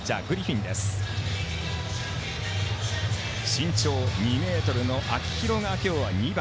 身長２ｍの秋広が今日は２番。